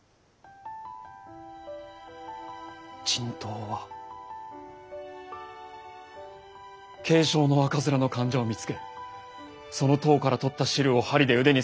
人痘は軽症の赤面の患者を見つけその痘からとった汁を針で腕に刺せばそれで済む。